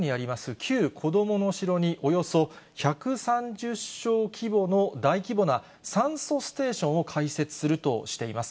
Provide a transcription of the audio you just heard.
旧こどもの城におよそ１３０床規模の大規模な酸素ステーションを開設するとしています。